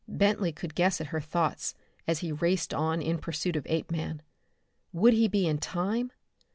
Bentley could guess at her thoughts as he raced on in pursuit of Apeman. Would he be in time?